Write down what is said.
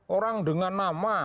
orang dengan nama